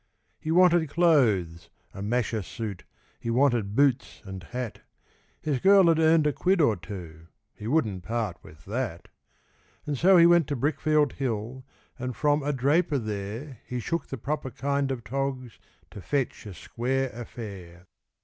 ') He wanted clothes, a masher suit, he wanted boots and hat; His girl had earned a quid or two he wouldn't part with that; And so he went to Brickfield Hill, and from a draper there He 'shook' the proper kind of togs to fetch a 'square affair.